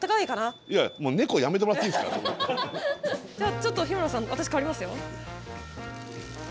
ちょっと日村さん私代わりますよ。